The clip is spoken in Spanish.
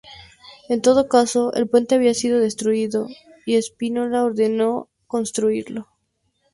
En todo caso, el puente había sido destruido y Spínola ordenó reconstruirlo.